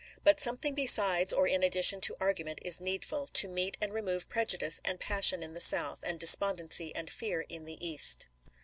But something besides or in addition to argument is needful — to meet and remove prejudice and passion in the South, and despondency and fear in the East.